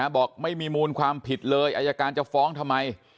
บอกไม่มีมูลความผิดเลยอายการจะฟ้องทำไม